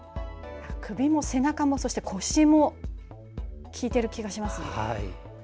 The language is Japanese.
首も背中も、そして腰も効いてる気がします。